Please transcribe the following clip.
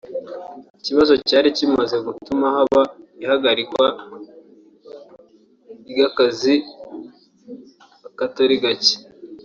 ikibazo cari kimaze gutuma haba ihagarikwa ry’akazi akatari gake